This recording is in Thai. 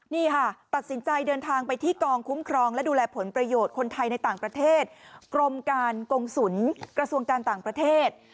นี่ค่ะตัดสินใจเดินทางไปที่กองคุ้มครองและดูแลผลประโยชน์คนไทยในต่างประเทศกรมการกงศุลกระทรวงการต่างประเทศ